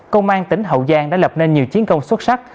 công an tỉnh hậu giang đã lập nên nhiều chiến công xuất sắc